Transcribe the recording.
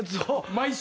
毎週。